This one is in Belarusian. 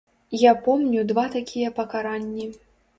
Я помню два такія пакаранні.